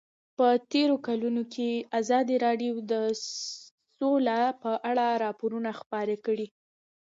په تېرو کلونو کې ازادي راډیو د سوله په اړه راپورونه خپاره کړي دي.